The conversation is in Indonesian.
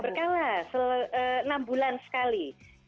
berkala enam bulan sekali